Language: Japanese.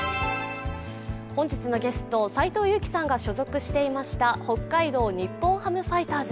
本日のゲスト、斎藤祐樹さんが所属していました北海道日本ハムファイターズ。